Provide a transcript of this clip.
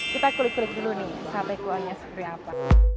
kita kulik kulit dulu nih sate kuahnya seperti apa